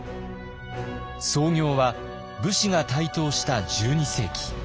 創業は武士が台頭した１２世紀。